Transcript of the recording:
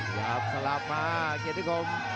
ครับสลับมาเกดนิคม